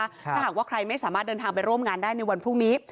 ถ้าหากว่าใครไม่สามารถเดินทางไปร่วมงานได้ในวันพรุ่งนี้